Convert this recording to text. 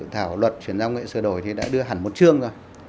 thảo luật chuyển giao công nghệ sửa đổi đã đưa hẳn một chương